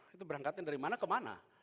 itu berangkatnya dari mana ke mana